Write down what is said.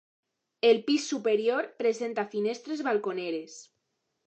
El pis superior presenta finestres balconeres.